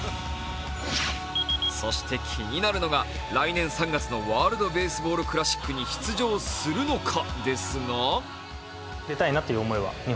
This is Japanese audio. そして気になるのが来年３月のワールドベースボールクラシックに出場するのか？